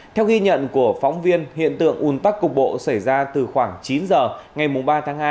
theo ghi nhận của phóng viên hiện tượng ùn tắc cục bộ xảy ra từ khoảng chín giờ ngày ba tháng hai